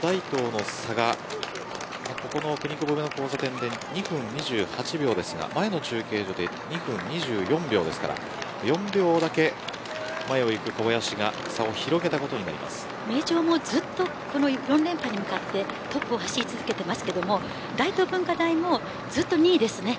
名城と大東の差がくにくぼ上の交差点２分２８秒ですが、前の中継所で２分２４秒ですから４秒だけ前をいく小林が差を名城もずっと４連覇に向かってトップを走り続けていますが大東文化大もずっと２位です。